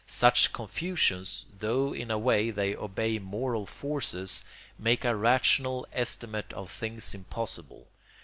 Such confusions, though in a way they obey moral forces, make a rational estimate of things impossible.